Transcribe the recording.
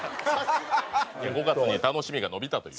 ５月に楽しみが延びたという。